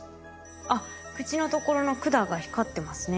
あっ口のところの管が光ってますね。